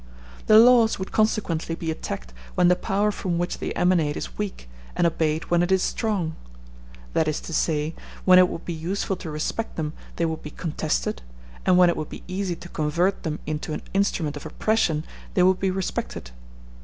The laws would consequently be attacked when the power from which they emanate is weak, and obeyed when it is strong. That is to say, when it would be useful to respect them they would be contested, and when it would be easy to convert them into an instrument of oppression they would be respected.